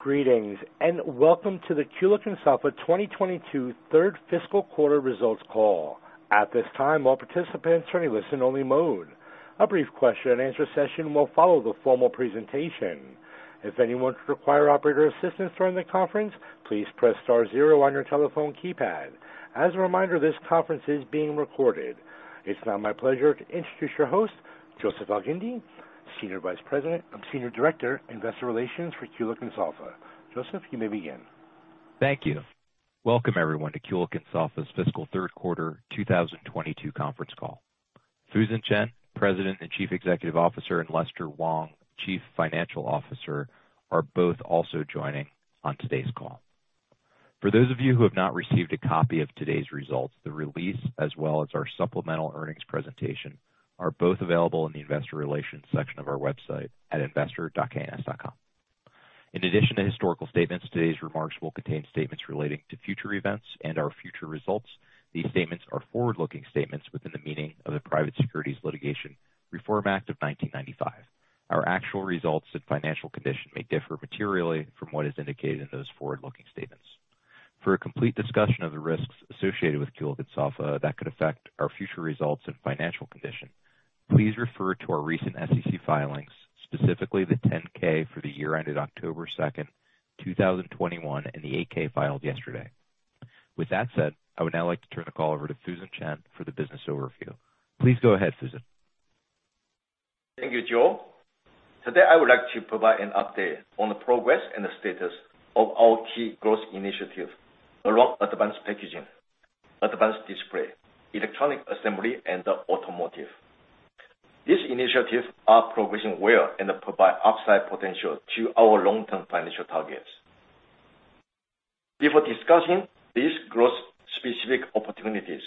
Greetings, and welcome to the Kulicke & Soffa 2022 Third Fiscal Quarter Results Call. At this time, all participants are in listen-only mode. A brief Q&A session will follow the formal presentation. If anyone requires operator assistance during the conference, please press star zero on your telephone keypad. As a reminder, this conference is being recorded. It's now my pleasure to introduce your host, Joseph Elgindy, Senior Vice President and Senior Director, Investor Relations for Kulicke & Soffa. Joseph, you may begin. Thank you. Welcome everyone to Kulicke and Soffa's fiscal third quarter 2022 conference call. Fusen Chen, President and Chief Executive Officer, and Lester Wong, Chief Financial Officer, are both also joining on today's call. For those of you who have not received a copy of today's results, the release as well as our supplemental earnings presentation are both available in the investor relations section of our website at investor.kns.com. In addition to historical statements, today's remarks will contain statements relating to future events and our future results. These statements are forward-looking statements within the meaning of the Private Securities Litigation Reform Act of 1995. Our actual results and financial condition may differ materially from what is indicated in those forward-looking statements. For a complete discussion of the risks associated with Kulicke and Soffa that could affect our future results and financial condition, please refer to our recent SEC filings, specifically the 10-K for the year ended October 2, 2021, and the 8-K filed yesterday. With that said, I would now like to turn the call over to Fusen Chen for the business overview. Please go ahead, Fusen. Thank you, Joe. Today I would like to provide an update on the progress and the status of our key growth initiative around advanced packaging, advanced display, electronic assembly and automotive. These initiatives are progressing well and provide upside potential to our long-term financial targets. Before discussing these growth specific opportunities,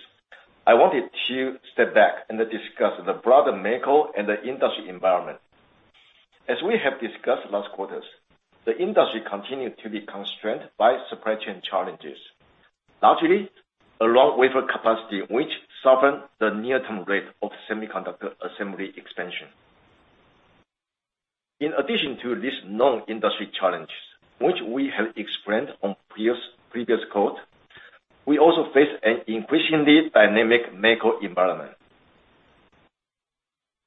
I wanted to step back and discuss the broader macro and the industry environment. As we have discussed last quarters, the industry continued to be constrained by supply chain challenges, largely around wafer capacity, which soften the near-term rate of semiconductor assembly expansion. In addition to these known industry challenges, which we have explained on previous calls, we also face an increasingly dynamic macro environment.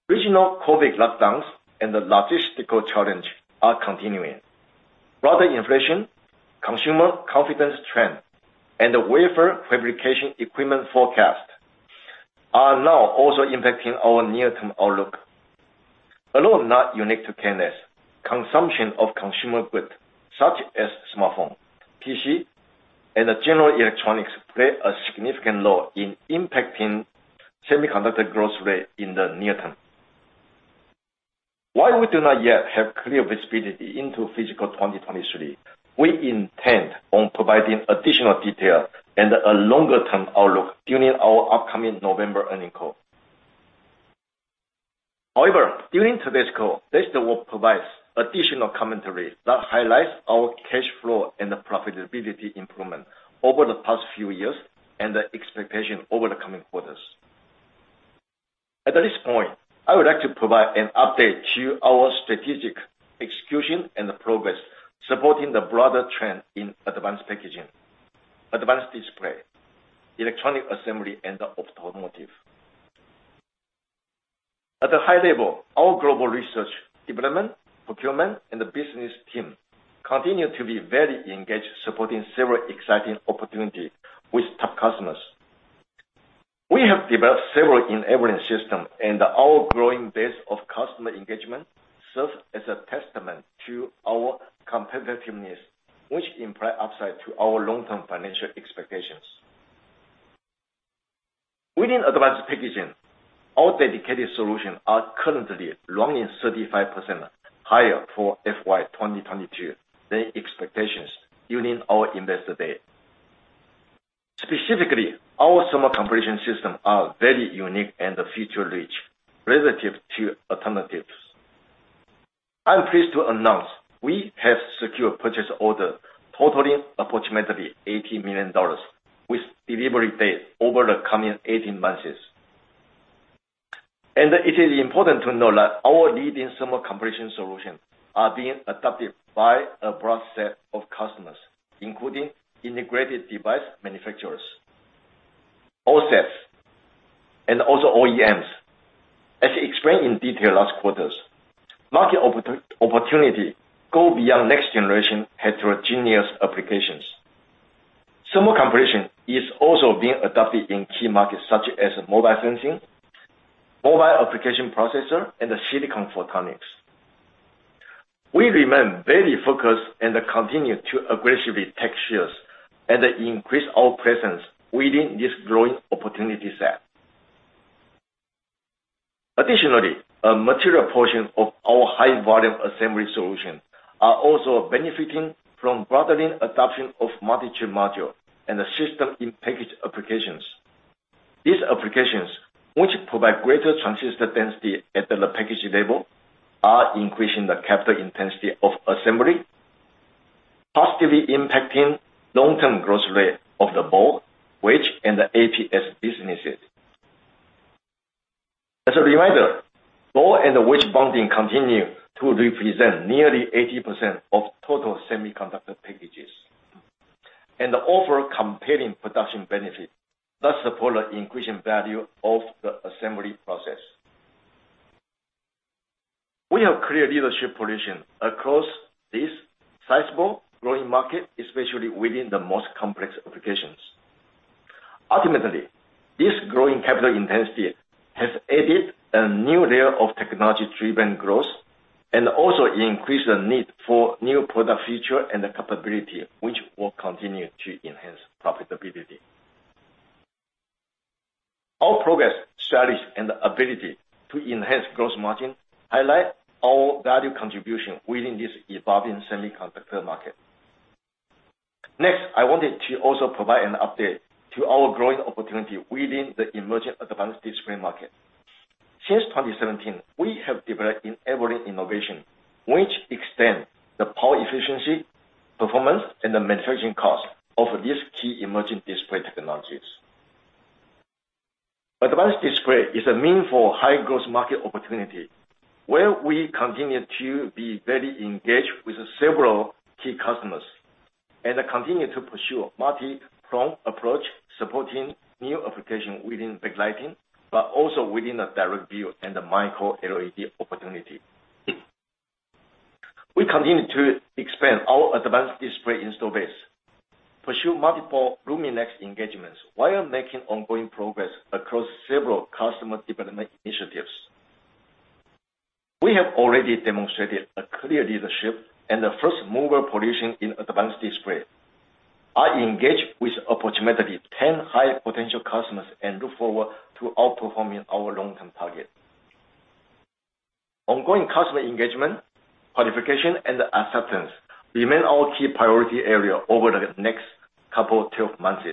Regional COVID lockdowns and the logistical challenge are continuing. Broader inflation, consumer confidence trend and the wafer fabrication equipment forecast are now also impacting our near-term outlook. Although not unique to K&S, consumption of consumer goods such as smartphone, PC and general electronics play a significant role in impacting semiconductor growth rate in the near term. While we do not yet have clear visibility into fiscal 2023, we intend on providing additional detail and a longer-term outlook during our upcoming November earnings call. However, during today's call, Lester will provide additional commentary that highlights our cash flow and the profitability improvement over the past few years and the expectation over the coming quarters. At this point, I would like to provide an update to our strategic execution and progress supporting the broader trend in advanced packaging, advanced display, electronic assembly and automotive. At a high level, our global research, development, procurement and business team continue to be very engaged supporting several exciting opportunities with top customers. We have developed several enabling system and our growing base of customer engagement serves as a testament to our competitiveness, which imply upside to our long-term financial expectations. Within advanced packaging, our dedicated solutions are currently running 35% higher for FY 2022 than expectations during our investor day. Specifically, our thermal compression system are very unique and feature-rich relative to alternatives. I'm pleased to announce we have secured purchase order totaling approximately $80 million with delivery date over the coming 18 months. It is important to know that our leading thermal compression solutions are being adopted by a broad set of customers, including integrated device manufacturers, OSATs, and also OEMs. As explained in detail last quarters, market opportunity go beyond next-generation heterogeneous applications. Thermal compression is also being adopted in key markets such as mobile sensing, mobile application processor and silicon photonics. We remain very focused and continue to aggressively take shares and increase our presence within this growing opportunity set. Additionally, a material portion of our high volume assembly solution are also benefiting from broadening adoption of multi-chip module and the System-in-Package applications. These applications, which provide greater transistor density at the package level, are increasing the capital intensity of assembly, positively impacting long-term growth rate of the board, which in the ATS businesses. Ball and wedge bonding continue to represent nearly 80% of total semiconductor packages and offer compelling production benefit that support the increasing value of the assembly process. We have clear leadership position across this sizable growing market, especially within the most complex applications. Ultimately, this growing capital intensity has added a new layer of technology-driven growth and also increased the need for new product feature and the capability which will continue to enhance profitability. Our progress, strategies, and ability to enhance gross margin highlight our value contribution within this evolving semiconductor market. Next, I wanted to also provide an update to our growing opportunity within the emerging advanced display market. Since 2017, we have developed enabling innovation, which extends the power efficiency, performance, and the manufacturing cost of these key emerging display technologies. Advanced display is a meaningful high-growth market opportunity where we continue to be very engaged with several key customers and continue to pursue multi-pronged approach, supporting new application within backlighting, but also within the direct-view and the micro LED opportunity. We continue to expand our advanced display install base, pursue multiple LUMINEX engagements while making ongoing progress across several customer development initiatives. We have already demonstrated a clear leadership and the first-mover position in advanced display, are engaged with approximately 10 high potential customers and look forward to outperforming our long-term target. Ongoing customer engagement, qualification, and acceptance remain our key priority area over the next couple of 12 months.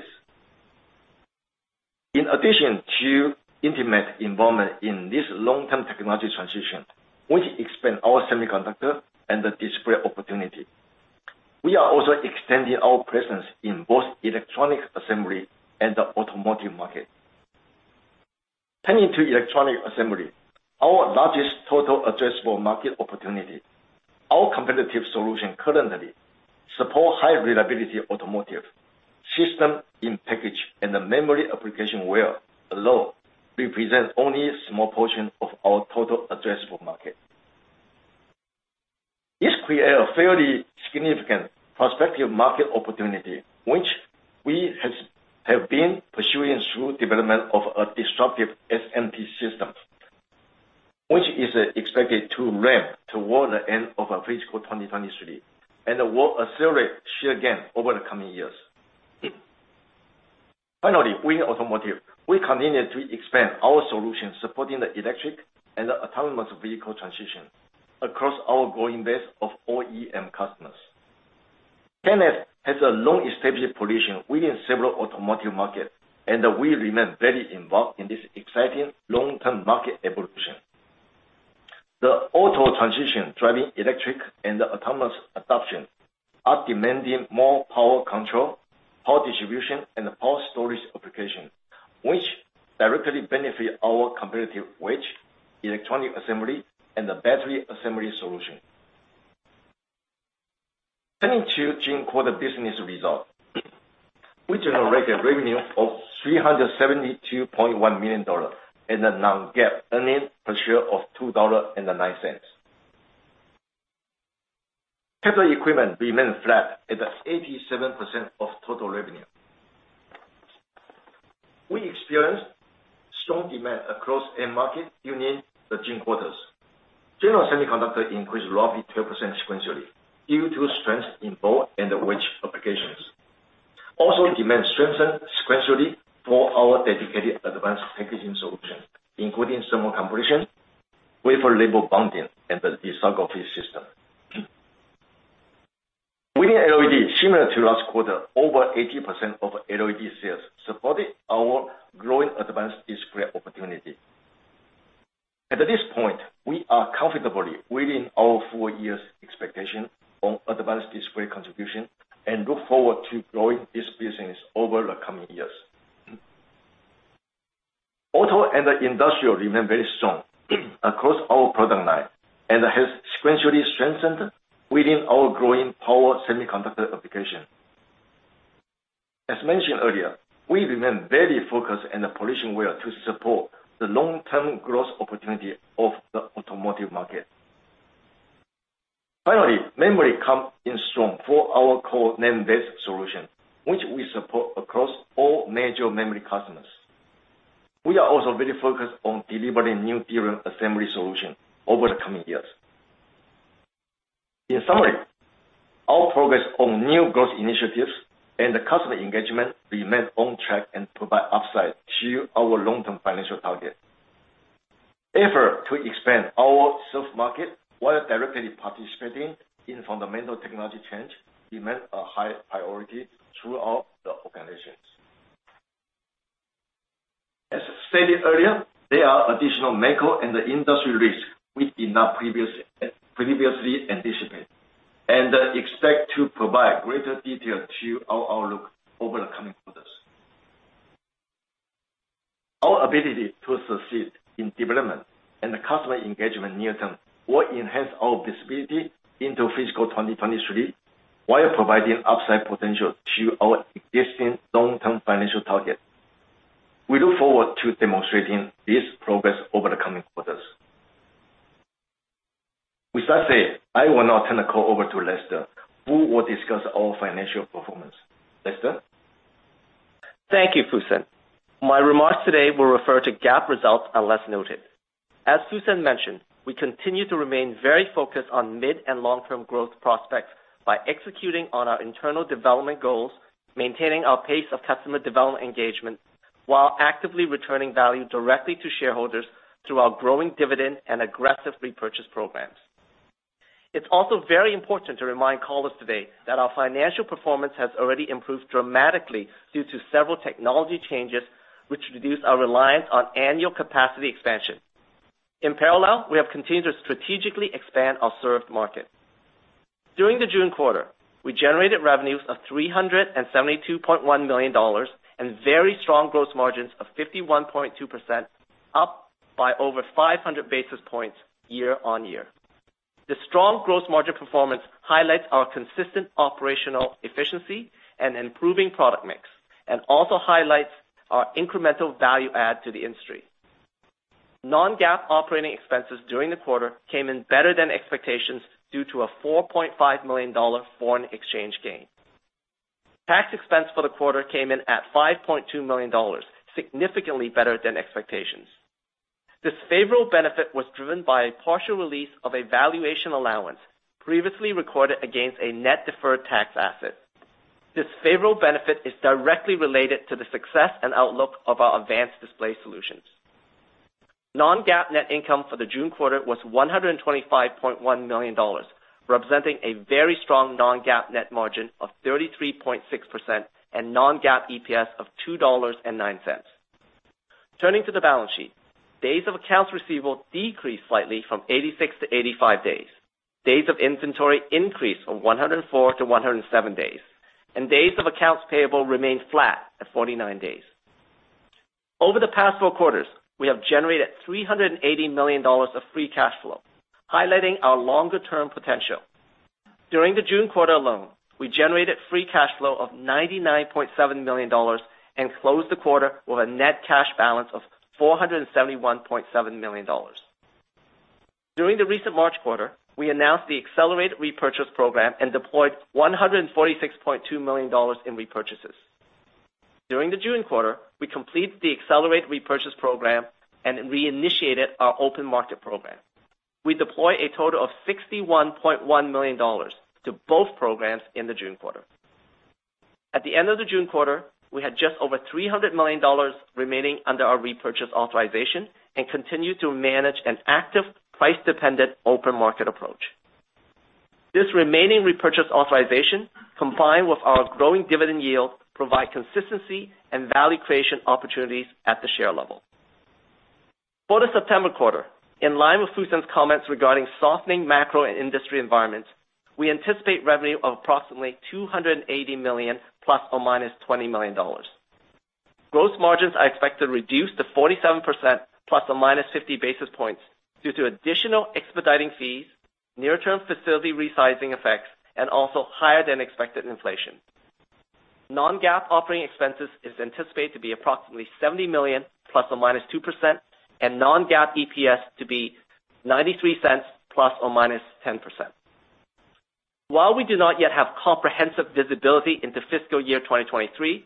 In addition to intimate involvement in this long-term technology transition, which expand our semiconductor and the display opportunity, we are also extending our presence in both electronic assembly and the automotive market. Turning to electronic assembly, our largest total addressable market opportunity. Our competitive solution currently support high reliability automotive System-in-Package and the memory application where alone represents only a small portion of our total addressable market. This creates a fairly significant prospective market opportunity, which we have been pursuing through development of a disruptive SMT system, which is expected to ramp toward the end of our fiscal 2023, and will accelerate share gain over the coming years. Finally, within automotive, we continue to expand our solutions supporting the electric and autonomous vehicle transition across our growing base of OEM customers. K&S has a long-established position within several automotive markets, and we remain very involved in this exciting long-term market evolution. The auto transition driving electric and autonomous adoption are demanding more power control, power distribution, and power storage application, which directly benefit our competitive wedge, electronic assembly, and the battery assembly solution. Turning to June quarter business result, we generate a revenue of $372.1 million and a non-GAAP earnings per share of $2.09. Capital equipment remained flat at 87% of total revenue. We experienced strong demand across end markets during the June quarter. General Semiconductor increased roughly 12% sequentially due to strength in ball and wedge applications. Demand strengthened sequentially for our dedicated advanced packaging solution, including thermal compression, wafer-level bonding, and the lithography system. Within LED, similar to last quarter, over 80% of LED sales supported our growing advanced display opportunity. At this point, we are comfortably within our four-year expectation on advanced display contribution and look forward to growing this business over the coming years. Auto and industrial remain very strong across our product line and has sequentially strengthened within our growing power semiconductor application. As mentioned earlier, we remain very focused, positioned to support the long-term growth opportunity of the automotive market. Finally, memory comes in strong for our core NAND-based solution, which we support across all major memory customers. We are also very focused on delivering new DRAM assembly solution over the coming years. In summary, our progress on new growth initiatives and the customer engagement remains on track and provide upside to our long-term financial target. Effort to expand our semi market while directly participating in fundamental technology change remains a high priority throughout the organization. As stated earlier, there are additional macro and industry risks we did not previously anticipate and expect to provide greater detail to our outlook over the coming quarters. Our ability to succeed in development and the customer engagement near term will enhance our visibility into fiscal 2023, while providing upside potential to our existing long-term financial targets. We look forward to demonstrating this progress over the coming quarters. With that said, I will now turn the call over to Lester, who will discuss our financial performance. Lester? Thank you, Fusen. My remarks today will refer to GAAP results unless noted. As Fusen mentioned, we continue to remain very focused on mid and long-term growth prospects by executing on our internal development goals, maintaining our pace of customer development engagement, while actively returning value directly to shareholders through our growing dividend and aggressive repurchase programs. It's also very important to remind callers today that our financial performance has already improved dramatically due to several technology changes, which reduce our reliance on annual capacity expansion. In parallel, we have continued to strategically expand our served market. During the June quarter, we generated revenues of $372.1 million and very strong gross margins of 51.2%, up by over 500 basis points year-on-year. The strong gross margin performance highlights our consistent operational efficiency and improving product mix, and also highlights our incremental value add to the industry. Non-GAAP operating expenses during the quarter came in better than expectations due to a $4.5 million foreign exchange gain. Tax expense for the quarter came in at $5.2 million, significantly better than expectations. This favorable benefit was driven by a partial release of a valuation allowance previously recorded against a net deferred tax asset. This favorable benefit is directly related to the success and outlook of our advanced display solutions. Non-GAAP net income for the June quarter was $125.1 million, representing a very strong non-GAAP net margin of 33.6% and non-GAAP EPS of $2.09. Turning to the balance sheet. Days of accounts receivable decreased slightly from 86 to 85 days. Days of inventory increased from 104 to 107 days, and days of accounts payable remained flat at 49 days. Over the past four quarters, we have generated $380 million of free cash flow, highlighting our longer term potential. During the June quarter alone, we generated free cash flow of $99.7 million and closed the quarter with a net cash balance of $471.7 million. During the recent March quarter, we announced the accelerated repurchase program and deployed $146.2 million in repurchases. During the June quarter, we completed the accelerated repurchase program and reinitiated our open market program. We deployed a total of $61.1 million to both programs in the June quarter. At the end of the June quarter, we had just over $300 million remaining under our repurchase authorization and continue to manage an active, price-dependent open market approach. This remaining repurchase authorization, combined with our growing dividend yield, provide consistency and value creation opportunities at the share level. For the September quarter, in line with Fusen's comments regarding softening macro and industry environments, we anticipate revenue of approximately $280 million ± $20 million. Gross margins are expected to reduce to 47% ± 50 basis points due to additional expediting fees, near-term facility resizing effects, and also higher than expected inflation. Non-GAAP operating expenses is anticipated to be approximately $70 million ± 2%, and non-GAAP EPS to be $0.93 ± 10%. While we do not yet have comprehensive visibility into fiscal year 2023,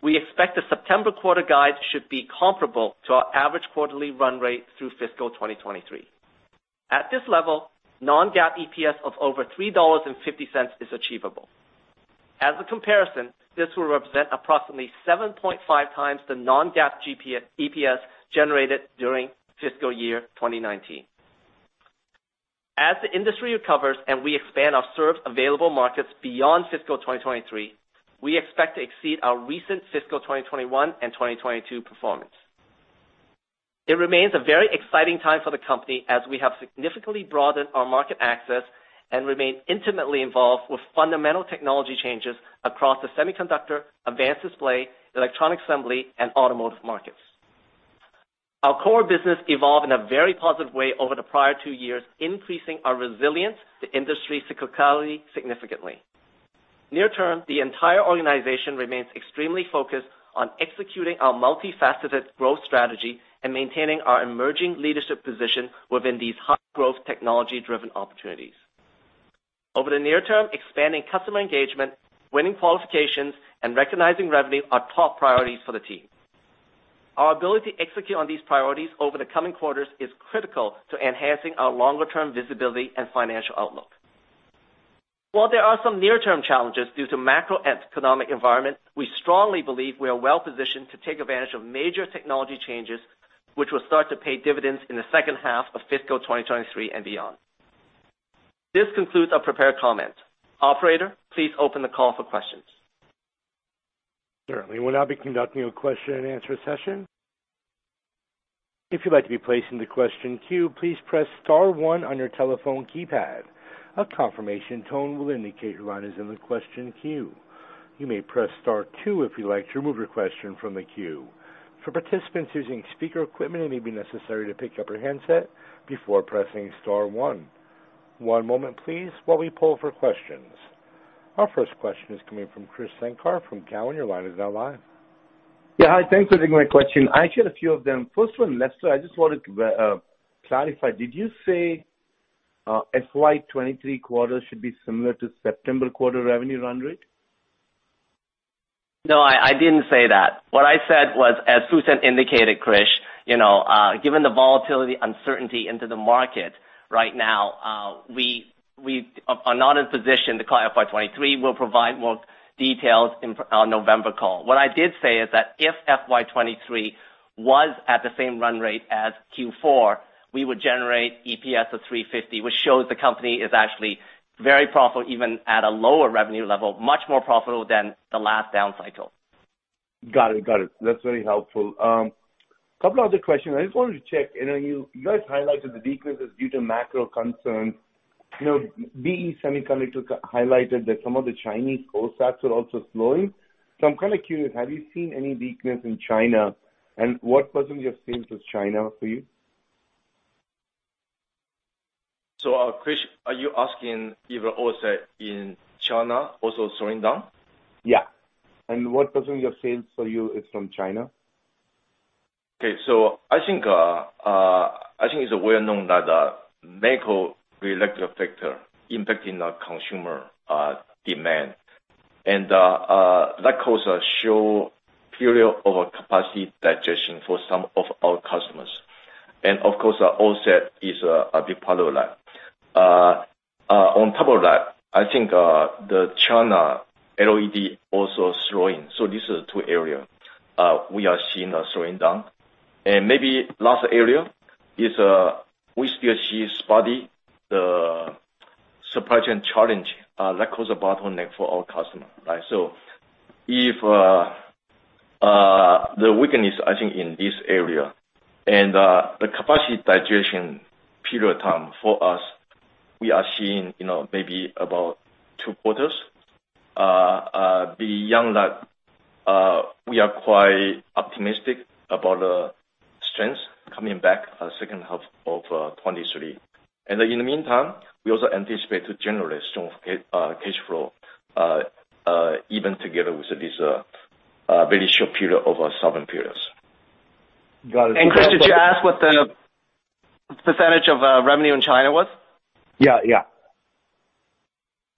we expect the September quarter guide should be comparable to our average quarterly run rate through fiscal 2023. At this level, non-GAAP EPS of over $3.50 is achievable. As a comparison, this will represent approximately 7.5 times the non-GAAP EPS generated during fiscal year 2019. As the industry recovers and we expand our served available markets beyond fiscal 2023, we expect to exceed our recent fiscal 2021 and 2022 performance. It remains a very exciting time for the company as we have significantly broadened our market access and remain intimately involved with fundamental technology changes across the semiconductor, advanced display, electronic assembly, and automotive markets. Our core business evolved in a very positive way over the prior two years, increasing our resilience to industry cyclicality significantly. Near term, the entire organization remains extremely focused on executing our multifaceted growth strategy and maintaining our emerging leadership position within these high-growth, technology-driven opportunities. Over the near term, expanding customer engagement, winning qualifications, and recognizing revenue are top priorities for the team. Our ability to execute on these priorities over the coming quarters is critical to enhancing our longer term visibility and financial outlook. While there are some near-term challenges due to macroeconomic environment, we strongly believe we are well positioned to take advantage of major technology changes, which will start to pay dividends in the second half of fiscal 2023 and beyond. This concludes our prepared comments. Operator, please open the call for questions. Certainly. We'll now be conducting a Q&A session. If you'd like to be placed in the question queue, please press star one on your telephone keypad. A confirmation tone will indicate your line is in the question queue. You may press star two if you'd like to remove your question from the queue. For participants using speaker equipment, it may be necessary to pick up your handset before pressing star one. One moment please while we pull for questions. Our first question is coming from Krish Sankar from Cowen. Your line is now live. Yeah. Hi. Thanks for taking my question. I actually have a few of them. First one, Lester, I just wanted to clarify, did you say FY 2023 quarter should be similar to September quarter revenue run rate? No, I didn't say that. What I said was, as Fusen indicated, Krish, you know, given the volatility uncertainty in the market right now, we are not in a position to call FY 2023. We'll provide more details in our November call. What I did say is that if FY 2023 was at the same run rate as Q4, we would generate EPS of $3.50, which shows the company is actually very profitable, even at a lower revenue level, much more profitable than the last down cycle. Got it. That's very helpful. Couple other questions. I just wanted to check, you know, you guys highlighted the weaknesses due to macro concerns. You know, BE Semiconductor highlighted that some of the Chinese OSATs are also slowing. I'm kinda curious, have you seen any weakness in China? And what percentage of sales was China for you? Krish, are you asking if OSAT in China also slowing down? Yeah. What percentage of sales for you is from China? Okay. I think it's well-known that macroeconomic factor impacting the consumer demand. That causes short period of a capacity digestion for some of our customers. Of course, our OSAT is a big part of that. On top of that, I think the China LED also slowing. This is two areas we are seeing a slowing down. Maybe last area is we still see spotty supply chain challenge that causes a bottleneck for our customer. Right? If the weakness, I think, in this area and the capacity digestion period of time for us, we are seeing, you know, maybe about two quarters. Beyond that, we are quite optimistic about the strengths coming back second half of 2023. In the meantime, we also anticipate to generate strong cash flow, even together with this, very short period over seven periods. Got it. Krish, did you ask what the percentage of revenue in China was? Yeah. Yeah.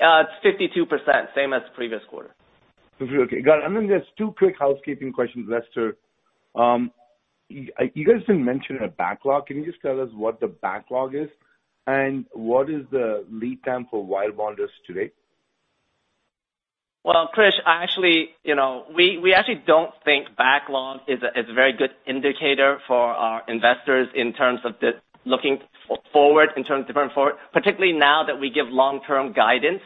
It's 52%, same as the previous quarter. Okay. Got it. There's two quick housekeeping questions, Lester. You guys didn't mention a backlog. Can you just tell us what the backlog is, and what is the lead time for wire bonders today? Well, Krish, I actually, you know, we actually don't think backlog is a very good indicator for our investors in terms of looking forward, in terms of different forward-looking, particularly now that we give long-term guidance.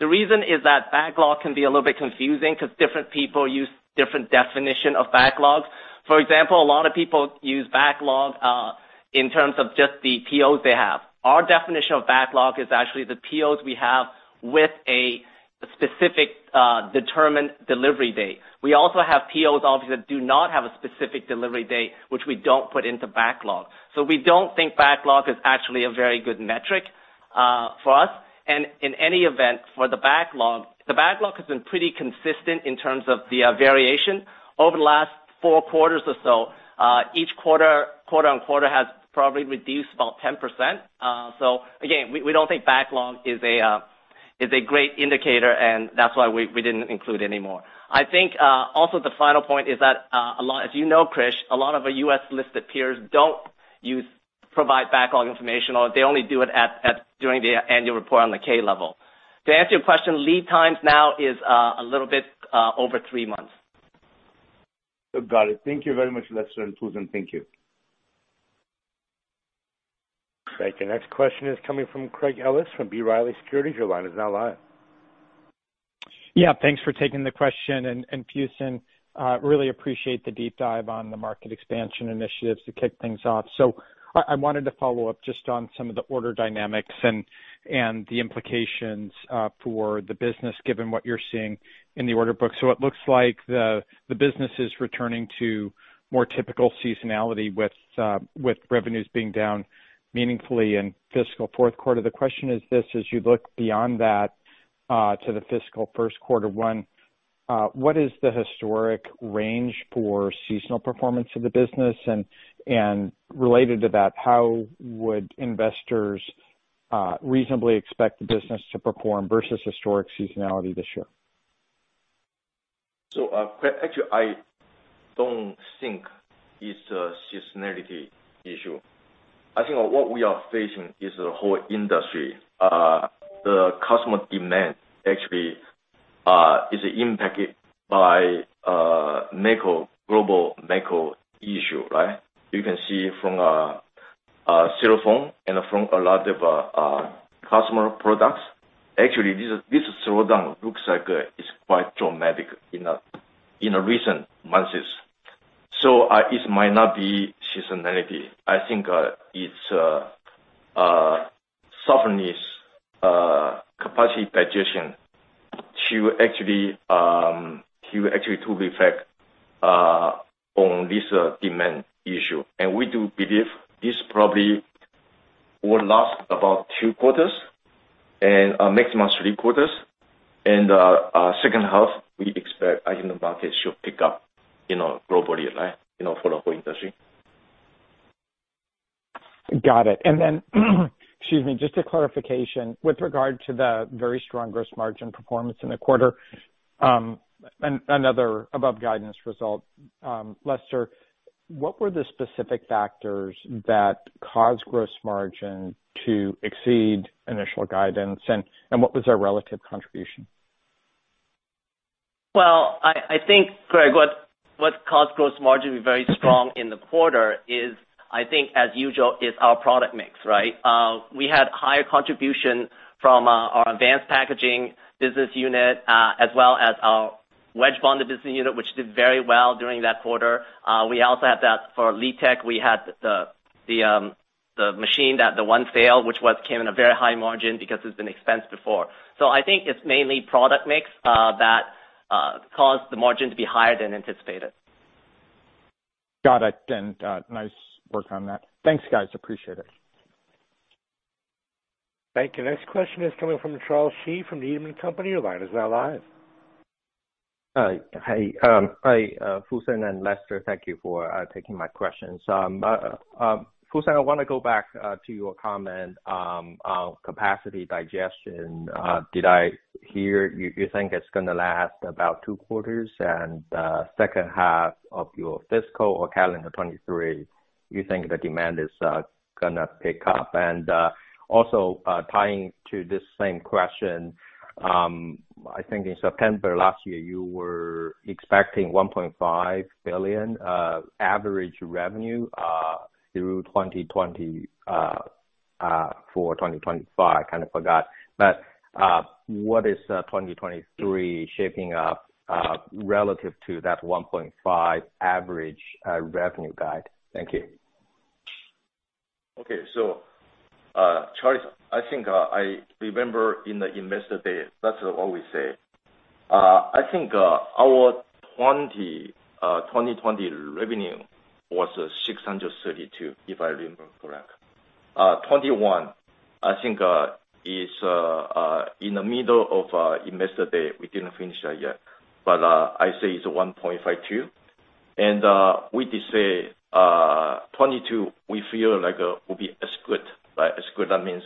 The reason is that backlog can be a little bit confusing because different people use different definition of backlogs. For example, a lot of people use backlog in terms of just the POs they have. Our definition of backlog is actually the POs we have with a specific determined delivery date. We also have POs, obviously, that do not have a specific delivery date, which we don't put into backlog. We don't think backlog is actually a very good metric for us. In any event, for the backlog, the backlog has been pretty consistent in terms of the variation. Over the last four quarters or so, each quarter-over-quarter, has probably reduced about 10%. Again, we don't think backlog is a great indicator, and that's why we didn't include it anymore. I think also the final point is that a lot, as you know, Krish, a lot of our U.S.-listed peers don't provide backlog information, or they only do it during the annual report on the 10-K level. To answer your question, lead times now is a little bit over three months. Got it. Thank you very much, Lester and Fusen. Thank you. Great. The next question is coming from Craig Ellis from B. Riley Securities. Your line is now live. Yeah, thanks for taking the question. Fusen, really appreciate the deep dive on the market expansion initiatives to kick things off. I wanted to follow up just on some of the order dynamics and the implications for the business, given what you're seeing in the order book. It looks like the business is returning to more typical seasonality with revenues being down meaningfully in fiscal fourth quarter. The question is this: as you look beyond that to the fiscal first quarter, one, what is the historic range for seasonal performance of the business? Related to that, how would investors reasonably expect the business to perform versus historic seasonality this year? Craig, actually, I don't think it's a seasonality issue. I think what we are facing is the whole industry. The customer demand actually is impacted by macro, global macro issue, right? You can see from a lot of customer products. Actually, this is slowdown. Looks like it's quite dramatic in the recent months. It might not be seasonality. I think it's softness, capacity digestion to actually reflect on this demand issue. We do believe this probably will last about two quarters and a maximum three quarters. Our second half, we expect Asian market should pick up, you know, globally, you know, for the whole industry. Got it. Excuse me, just a clarification with regard to the very strong gross margin performance in the quarter, another above guidance result. Lester, what were the specific factors that caused gross margin to exceed initial guidance and what was their relative contribution? Well, I think, Greg, what caused gross margin to be very strong in the quarter is, I think as usual, is our product mix, right? We had higher contribution from our advanced packaging business unit, as well as our wedge bonder business unit, which did very well during that quarter. We also have that for Liteq. We had the machine that the one sale, which came in a very high margin because it's been expensed before. I think it's mainly product mix that caused the margin to be higher than anticipated. Got it. Nice work on that. Thanks, guys. Appreciate it. Thank you. Next question is coming from Charles Shi from Needham & Company. Your line is now live. Hey, hi, Fusen and Lester. Thank you for taking my questions. Fusen, I wanna go back to your comment on capacity digestion. Did I hear you think it's gonna last about two quarters and second half of your fiscal or calendar 2023, you think the demand is gonna pick up? Also, tying to this same question. I think in September last year, you were expecting $1.5 billion average revenue through 2020 for 2025. Kind of forgot. What is 2023 shaping up relative to that $1.5 billion average revenue guide? Thank you. Okay. Charles, I think I remember in the Investor Day, that's what we say. I think our 2020 revenue was $632 million, if I remember correct. 2021, I think, is in the middle of our Investor Day. We didn't finish that yet. I say it's $1.52 billion. We just say 2022, we feel like will be as good, right? As good, that means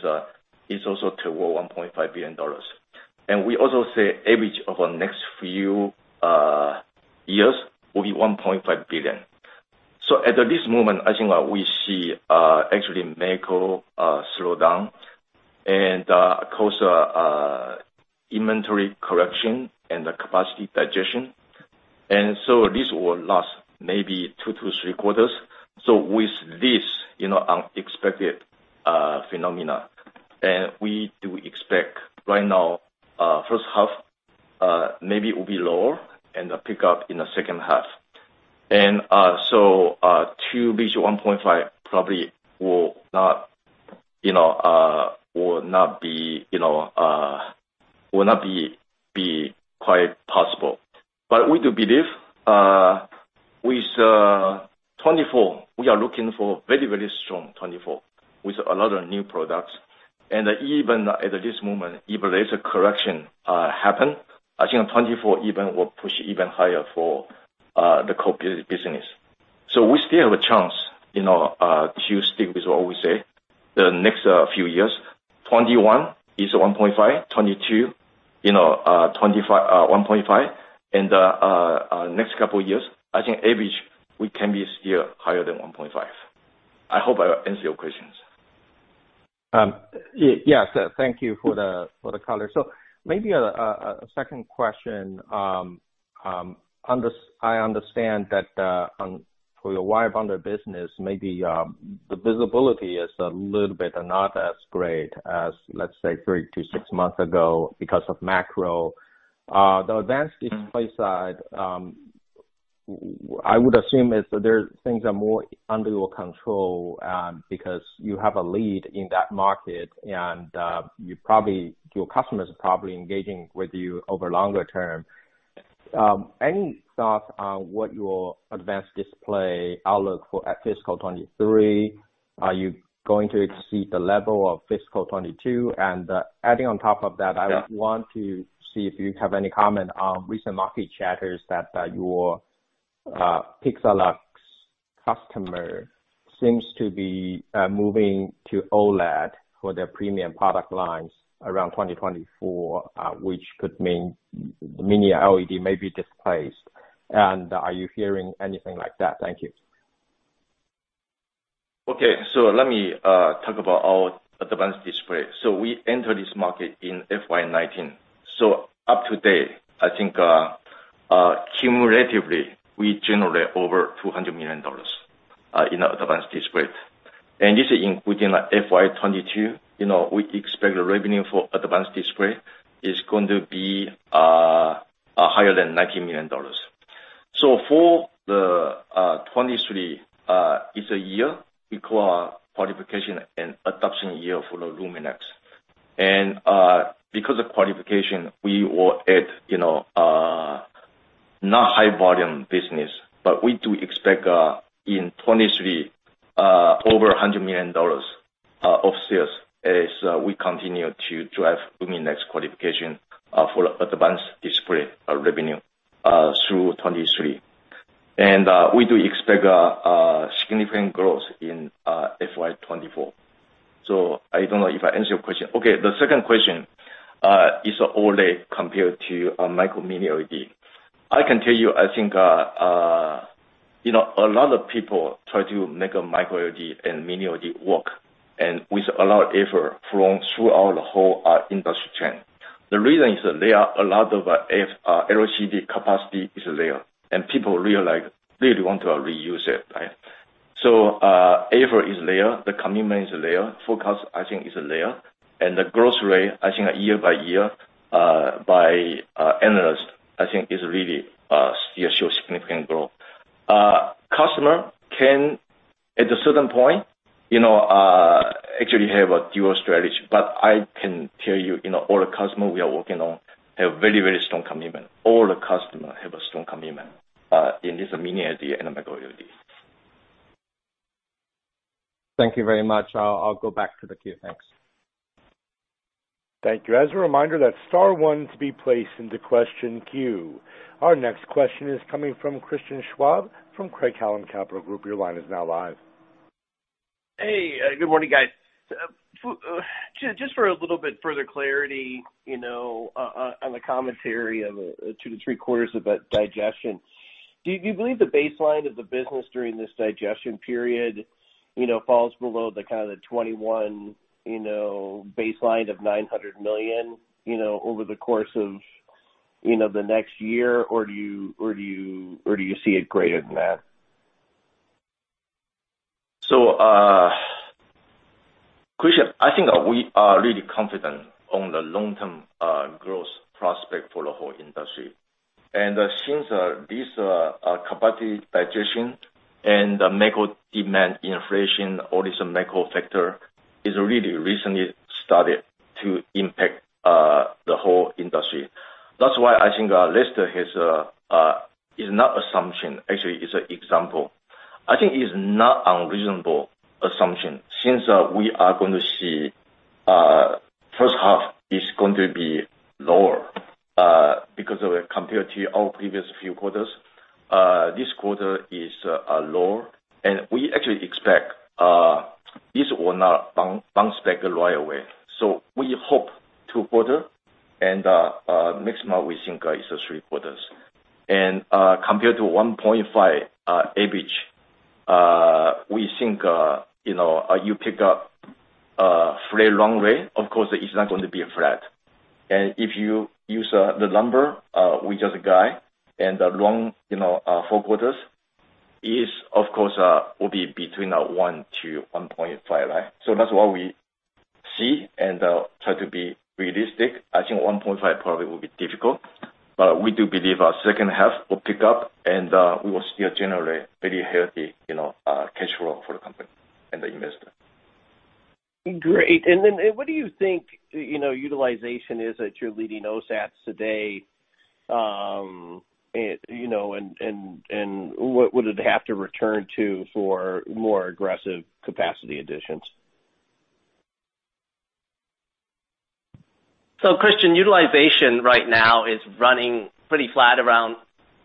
it's also toward $1.5 billion. We also say average over next few years will be $1.5 billion. At this moment, I think we see actually macro slowdown and causing inventory correction and the capacity digestion. This will last maybe two to three quarters. With this, you know, unexpected phenomena, and we do expect right now, first half, maybe it will be lower and pick up in the second half. To reach $1.5 billion probably will not, you know, be quite possible. But we do believe, with 2024, we are looking for very, very strong 2024 with a lot of new products. Even at this moment, even there's a correction happen, I think 2024 even will push even higher for the core business. We still have a chance, you know, to stick with what we say the next few years. 2021 is $1.5 billion. 2022, you know, 2025, $1.5 billion. Next couple of years, I think average, we can be still higher than $1.5 billion. I hope I answered your questions. Yes. Thank you for the color. Maybe a second question. I understand that for your wire bonded business, maybe the visibility is a little bit not as great as, let's say, three to six months ago because of macro. The advanced display side, I would assume that things are more under your control, because you have a lead in that market and your customers are probably engaging with you over longer term. Any thoughts on what your advanced display outlook for fiscal 2023? Are you going to exceed the level of fiscal 2022? Adding on top of that, I would want to see if you have any comment on recent market chatters that your Apple customer seems to be moving to OLED for their premium product lines around 2024, which could mean mini LED may be displaced. Are you hearing anything like that? Thank you. Okay. Let me talk about our advanced display. We entered this market in FY 2019. Up to date, I think, cumulatively, we generate over $200 million in advanced display. This is including, like, FY 2022. You know, we expect the revenue for advanced display is going to be higher than $90 million. For 2023, it's a year we call qualification and adoption year for the LUMINEX. Because of qualification, we will add, you know, not high volume business, but we do expect, in 2023, over $100 million of sales as we continue to drive LUMINEX qualification for advanced display revenue through 2023. We do expect significant growth in FY 2024. I don't know if I answered your question. Okay. The second question is OLED compared to micro and mini LED. I can tell you, I think, you know, a lot of people try to make a micro LED and mini LED work, and with a lot of effort from throughout the whole industry chain. The reason is that there are a lot of LCD capacity is there, and people realize they want to reuse it, right? Effort is there, the commitment is there, forecast, I think, is there. The growth rate, I think year by year by analysts, I think is really still shows significant growth. Customers can, at a certain point, you know, actually have a dual strategy. I can tell you know, all the customers we are working on have very, very strong commitment. All the customer have a strong commitment in this mini LED and micro LED. Thank you very much. I'll go back to the queue. Thanks. Thank you. As a reminder, that's star one to be placed into question queue. Our next question is coming from Christian Schwab from Craig-Hallum Capital Group. Your line is now live. Hey, good morning, guys. Just for a little bit further clarity, you know, on the commentary of two to three quarters of digestion. Do you believe the baseline of the business during this digestion period, you know, falls below the kind of the 21 baseline of $900 million, you know, over the course of, you know, the next year? Or do you see it greater than that? Christian Schwab, I think we are really confident on the long-term growth prospect for the whole industry. Since this capacity digestion and the macro demand inflation or this macro factor has really recently started to impact the whole industry. That's why I think Lester Wong has is not assumption, actually, it's an example. I think it's not unreasonable assumption since we are gonna see first half is going to be lower because of compared to our previous few quarters. This quarter is lower, and we actually expect this will not bounce back right away. We hope two quarter and maximum we think is three quarters. Compared to $1.5 billion average, we think, you know, you pick up very long way, of course, it's not going to be flat. If you use the number we just guided and along the four quarters is of course will be between $1 billion-$1.5 billion, right? That's what we see and try to be realistic. I think $1.5 billion probably will be difficult, but we do believe our second half will pick up and we will still generate very healthy, you know, cash flow for the company and the investor. Great. What do you think, you know, utilization is at your leading OSATs today, you know, and what would it have to return to for more aggressive capacity additions? Christian, utilization right now is running pretty flat around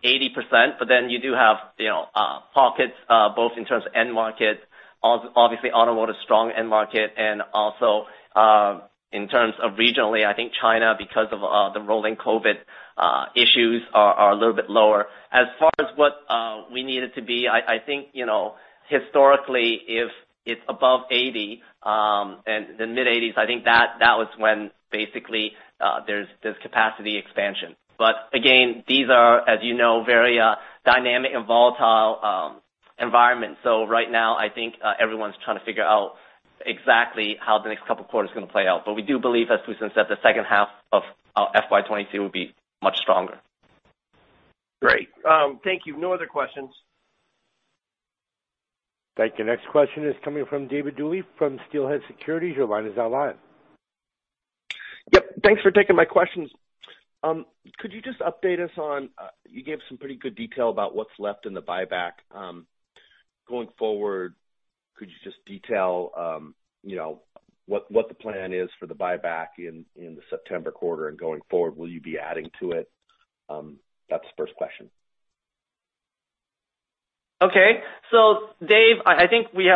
80%, but then you do have, you know, pockets both in terms of end market, obviously automotive, strong end market and also in terms of regionally, I think China because of the rolling COVID issues are a little bit lower. As far as what we need it to be, I think, you know, historically, if it's above 80% and the mid-80s, I think that was when basically there's capacity expansion. But again, these are, as you know, very dynamic and volatile environment. Right now, I think everyone's trying to figure out exactly how the next couple of quarters are gonna play out. But we do believe, as Fusen said, the second half of FY 2022 will be much stronger. Great. Thank you. No other questions. Thank you. Next question is coming from David Duley from Steelhead Securities. Your line is now live. Yep. Thanks for taking my questions. Could you just update us on, you gave some pretty good detail about what's left in the buyback. Going forward, could you just detail what the plan is for the buyback in the September quarter and going forward? Will you be adding to it? That's the first question. Okay. Dave, I think we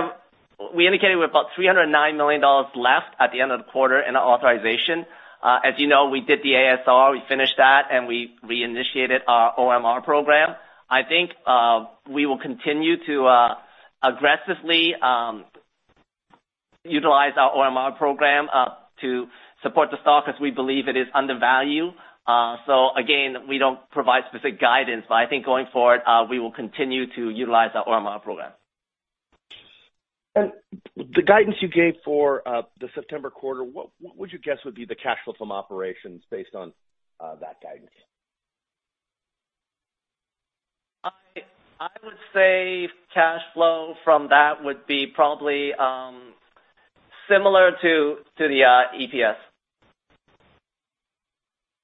indicated we have about $309 million left at the end of the quarter in our authorization. As you know, we did the ASR, we finished that, and we reinitiated our OMR program. I think we will continue to aggressively utilize our OMR program to support the stock as we believe it is undervalued. Again, we don't provide specific guidance, but I think going forward we will continue to utilize our OMR program. The guidance you gave for the September quarter, what would you guess would be the cash flow from operations based on that guidance? I would say cash flow from that would be probably similar to the EPS.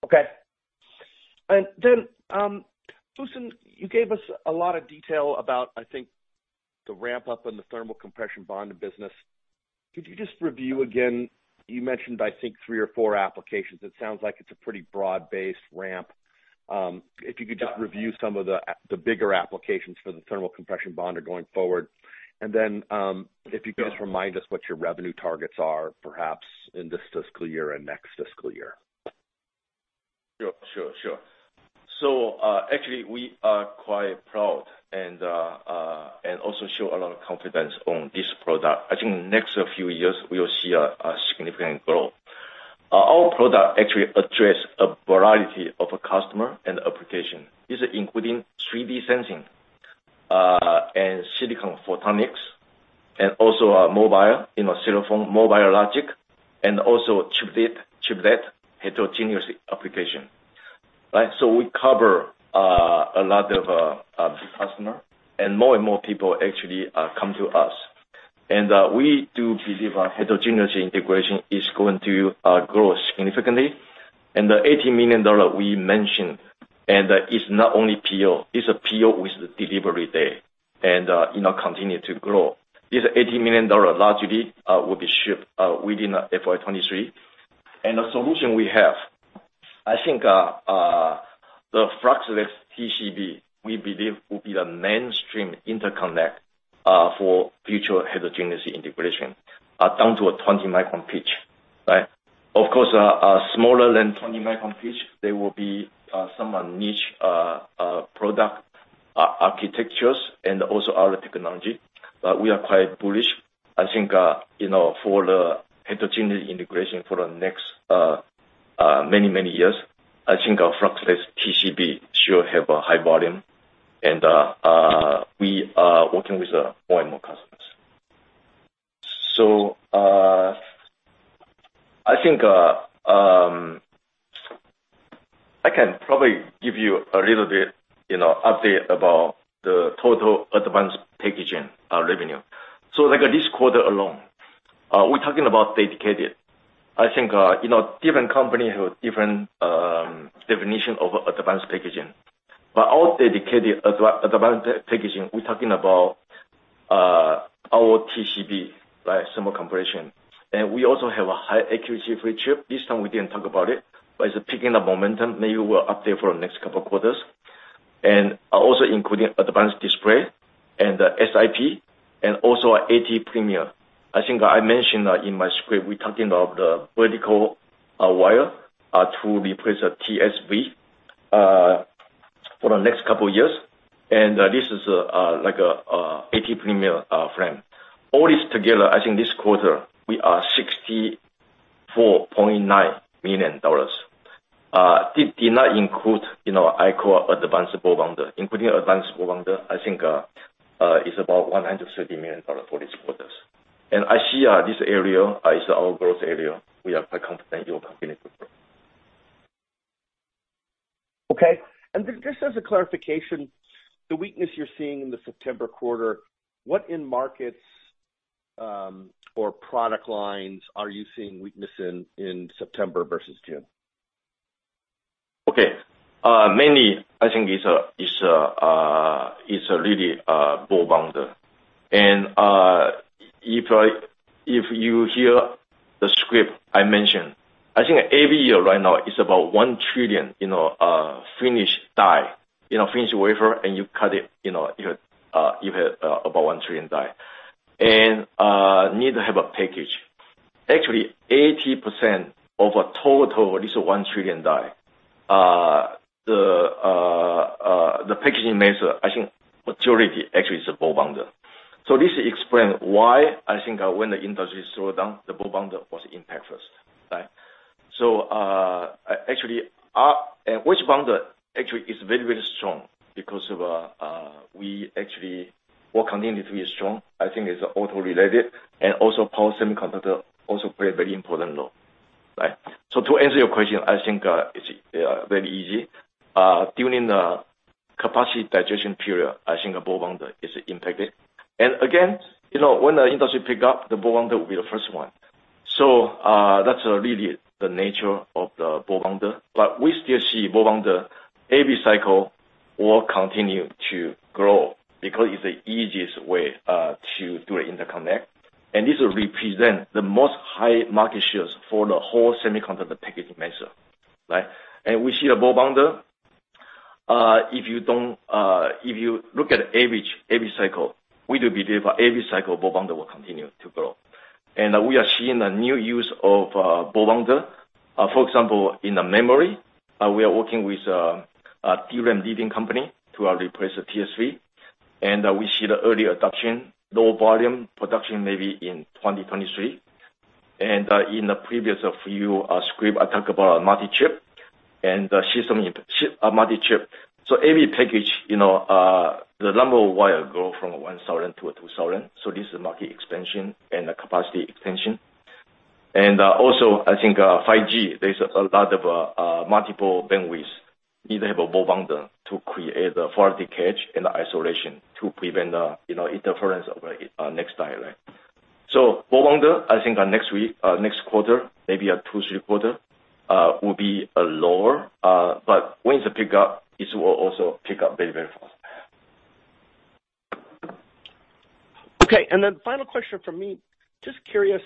Okay. Fusen, you gave us a lot of detail about, I think, the ramp up in the thermal compression bond business. Could you just review again? You mentioned I think three or four applications. It sounds like it's a pretty broad-based ramp. If you could just review some of the bigger applications for the thermal compression bonder going forward. If you could just remind us what your revenue targets are, perhaps in this fiscal year and next fiscal year. Sure. Actually we are quite proud and also show a lot of confidence on this product. I think next few years we'll see a significant growth. Our product actually address a variety of customer and application. This including 3D sensing and silicon photonics, and also mobile, you know, silicon mobile logic, and also chiplet heterogeneous application. Right? We cover a lot of customer and more and more people actually come to us. We do believe our heterogeneous integration is going to grow significantly. The $80 million we mentioned is not only PO, it's a PO with delivery date, and you know, continue to grow. This $80 million largely will be shipped within FY 2023. The solution we have, I think, the fluxless TCB, we believe will be the mainstream interconnect, for future heterogeneous integration, down to a 20 micron pitch. Right? Of course, smaller than 20 micron pitch, there will be, some niche, product architectures and also other technology. We are quite bullish, I think, you know, for the heterogeneous integration for the next, many years. I think our fluxless TCB should have a high volume and, we are working with, more and more customers. I think, I can probably give you a little bit, you know, update about the total advanced packaging, revenue. Like this quarter alone, we're talking about dedicated. I think, you know, different company have different, definition of advanced packaging. Our dedicated advanced packaging, we're talking about our TCB, like thermal compression. We also have a high accuracy flip chip. This time we didn't talk about it, but it's picking up momentum. Maybe we'll update for the next couple of quarters. Also including advanced display and SIP, and also AT Premier. I think I mentioned in my script, we're talking of the vertical wire to replace TSV for the next couple of years. This is like AT Premier frame. All this together, I think this quarter we are $64.9 million. It did not include, you know, I call advanced ball bonder. Including advanced ball bonder, I think is about $130 million for this quarter. I see this area as our growth area. We are quite confident your company will grow. Okay. Just as a clarification, the weakness you're seeing in the September quarter, what end markets or product lines are you seeing weakness in September versus June? Mainly I think it's really ball bonder. If you hear the script I mentioned, I think every year right now is about 1 trillion, you know, finished die, you know, finished wafer and you cut it, you know, you have about 1 trillion die. Need to have a package. Actually, 80% of total, this is 1 trillion die. The packaging measure, I think majority actually is a ball bonder. So this explain why I think when the industry slow down, the ball bonder was impact first, right? Actually our wedge bonder actually is very, very strong because of, we actually will continue to be strong, I think it's auto-related and also power semiconductor also play a very important role. Right. To answer your question, I think it's very easy. During the capacity digestion period, I think ball bonder is impacted. Again, you know, when the industry pick up, the ball bonder will be the first one. That's really the nature of the ball bonder. But we still see ball bonder every cycle will continue to grow because it's the easiest way to do the interconnect. This will represent the most high market shares for the whole semiconductor packaging measure. Right? We see a ball bonder. If you look at average, every cycle, we do believe every cycle ball bonder will continue to grow. We are seeing a new use of ball bonder. For example, in the memory, we are working with a leading DRAM company to replace TSV. We see the early adoption, low volume production maybe in 2023. In the previous few quarters, I talk about multichip and the system chip. Every package, you know, the number of wire grow from 1,000 to 2,000. This is market expansion and the capacity expansion. Also I think, 5G, there's a lot of multiple bandwidth, either have a ball bonder to create the Faraday cage and isolation to prevent, you know, interference or next-die crosstalk. Ball bonder, I think or next week, next quarter, maybe in Q2, Q3, will be lower. But when it pick up, it will also pick up very, very fast. Okay. Final question from me. Just curious,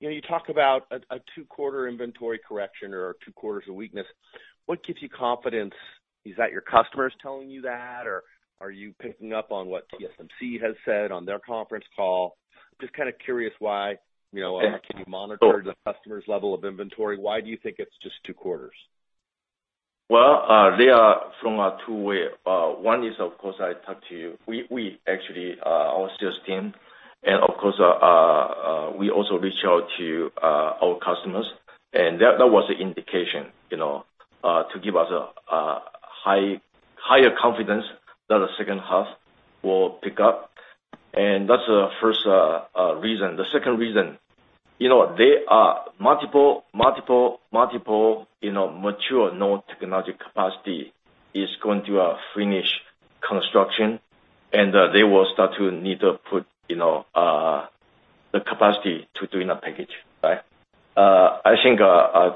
you know, you talk about a two-quarter inventory correction or two quarters of weakness. What gives you confidence? Is that your customers telling you that, or are you picking up on what TSMC has said on their conference call? Just kinda curious why, you know, can you monitor the customer's level of inventory? Why do you think it's just two quarters? Well, they are from two ways. One is, of course, I talked to you. We actually, our sales team and, of course, we also reach out to our customers, and that was the indication, you know, to give us higher confidence that the second half will pick up. That's the first reason. The second reason, you know, there are multiple mature node technological capacity is going to finish construction, and they will start to need to put, you know, the capacity to doing packaging, right. I think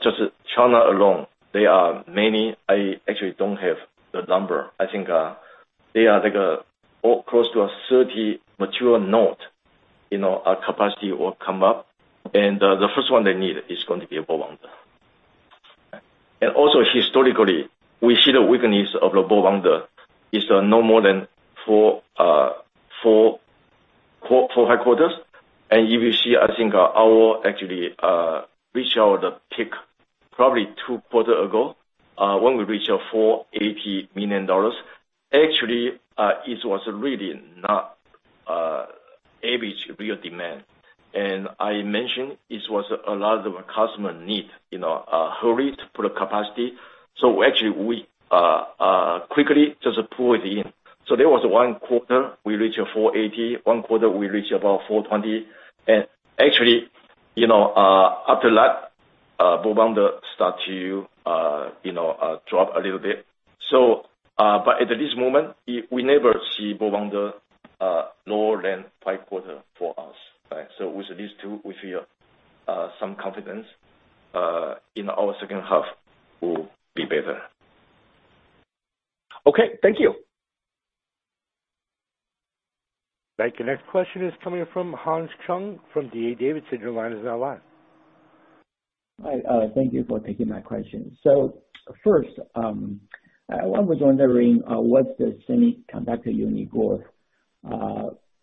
just China alone, there are many. I actually don't have the number. I think they are like close to a 30 mature node, you know, capacity will come up and the first one they need is going to be a ball bonder. Also historically, we see the weakness of the ball bonder is no more than four high quarters. If you see, I think our actually reached the peak probably two quarters ago, when we reached our $480 million. Actually, it was really not average real demand. I mentioned it was a lot of our customer need, you know, a hurry to put a capacity. Actually we quickly just pull it in. There was one quarter we reached a $480 million, one quarter we reached about $420 million. Actually, you know, after that, ball bonder start to, you know, drop a little bit. But at this moment, we never see ball bonder lower than five quarter for us, right? With these two, we feel some confidence in our second half will be better. Okay, thank you. Thank you. Next question is coming from Hans Chung from D.A. Davidson. Your line is now live. Hi, thank you for taking my question. First, I was wondering, what's the semiconductor unit growth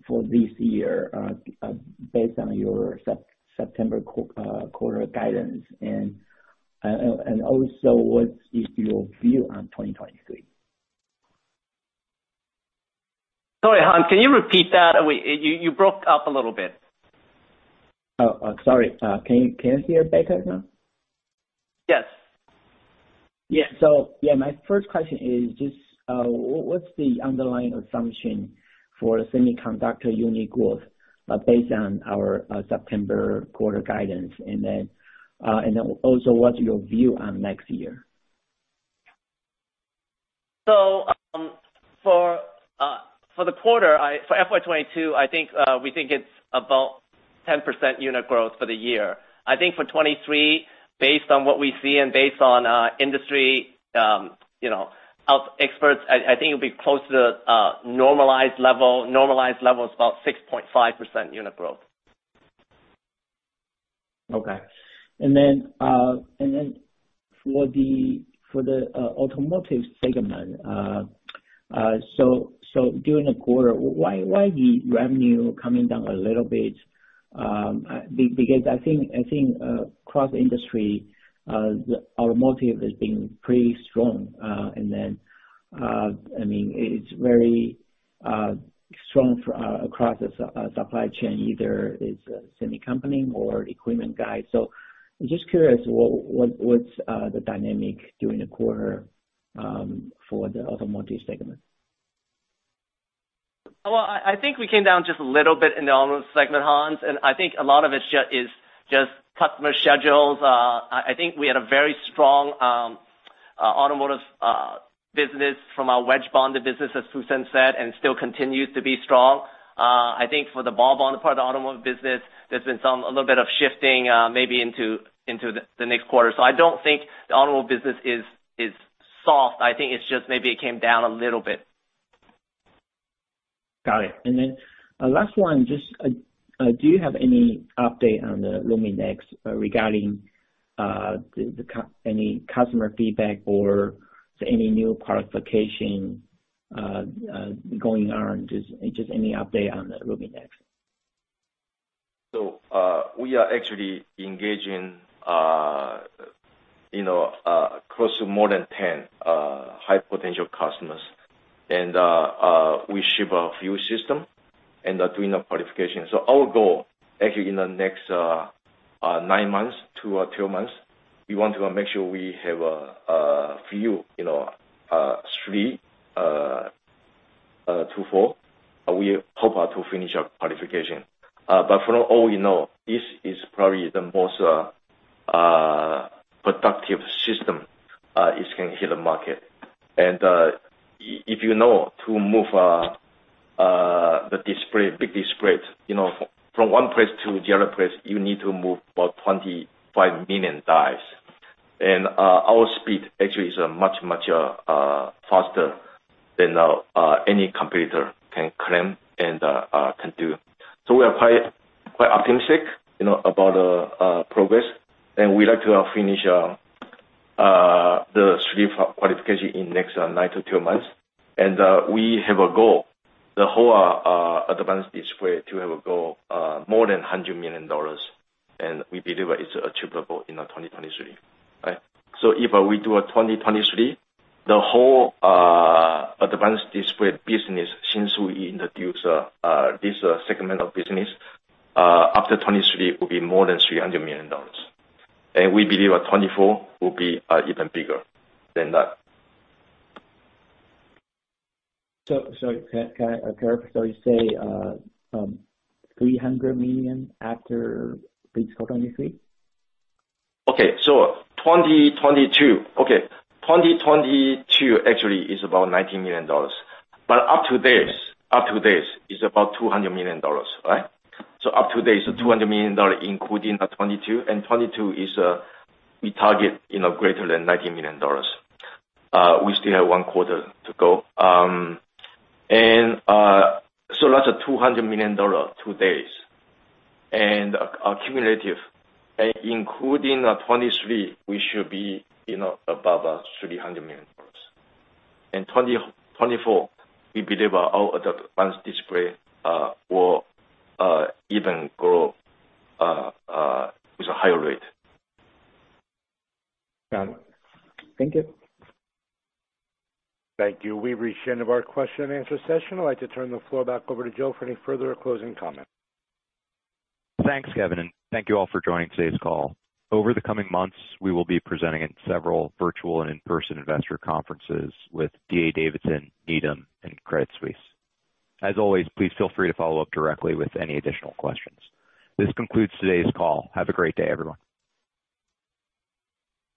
for this year, based on your September quarter guidance and also what's your view on 2023? Sorry, Hans, can you repeat that? You broke up a little bit. Oh, sorry. Can you hear better now? Yes. My first question is just, what's the underlying assumption for semiconductor unit growth, based on our September quarter guidance? And then also what's your view on next year? For FY 2022, I think we think it's about 10% unit growth for the year. I think for 2023, based on what we see and based on industry, you know, our experts, I think it'll be close to the normalized level. Normalized level is about 6.5% unit growth. Okay. For the automotive segment. During the quarter, why the revenue coming down a little bit? Because I think across industry the automotive has been pretty strong. I mean, it's very strong across the supply chain, either it's a semi company or equipment guy. I'm just curious, what's the dynamic during the quarter for the automotive segment? I think we came down just a little bit in the automotive segment, Hans, and I think a lot of it is just customer schedules. I think we had a very strong automotive business from our wedge bonder business, as Fusen said, and it still continues to be strong. I think for the ball bonder part of the automotive business, there's been some a little bit of shifting, maybe into the next quarter. I don't think the automobile business is soft. I think it's just maybe it came down a little bit. Got it. Last one, just, do you have any update on the LUMINEX regarding any customer feedback or any new product qualification going on? Just any update on the LUMINEX? We are actually engaging, you know, close to more than 10 high potential customers. We ship a few systems and are doing a qualification. Our goal actually in the next nine months to 12 months, we want to make sure we have, a few, you know, three to twofold. We hope to finish our qualification. From all we know, this is probably the most productive system is going to hit the market. If you know, to move, the display, big display, you know, from one place to the other place, you need to move about 25 million dies. Our speed actually is, much faster than, any competitor can claim and, can do. We are quite optimistic, you know, about progress, and we'd like to finish the three qualification in next nine to 12 months. We have a goal, the whole advanced display to have a goal more than $100 million, and we believe it's achievable in 2023, right? If we do a 2023, the whole advanced display business since we introduced this segment of business after 2023 will be more than $300 million. We believe at 2024 will be even bigger than that. Sorry, can I clarify? You say $300 million after fiscal 2023? 2022 actually is about $90 million. Year to date is about $200 million, right? Year to date is $200 million including 2022. 2022 is, we target, you know, greater than $90 million. We still have one quarter to go. That's a $200 million year to date. Cumulative, including 2023, we should be, you know, above $300 million. In 2024, we believe our advanced display will even grow with a higher rate. Got it. Thank you. Thank you. We've reached the end of our Q&A session. I'd like to turn the floor back over to Joe for any further closing comments. Thanks, Kevin, and thank you all for joining today's call. Over the coming months, we will be presenting at several virtual and in-person investor conferences with D.A. Davidson, Needham, and Credit Suisse. As always, please feel free to follow up directly with any additional questions. This concludes today's call. Have a great day, everyone.